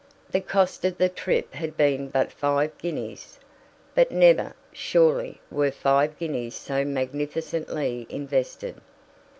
The cost of the trip had been but five guineas; but never, surely, were five guineas so magnificently invested.